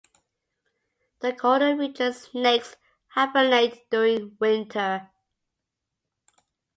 In colder regions, snakes hibernate during winter.